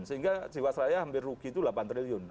sehingga jiwasraya hampir rugi itu delapan triliun